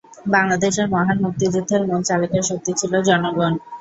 বাংলাদেশের মহান মুক্তিযুদ্ধের মূল চালিকাশক্তি ছিল জনগণ।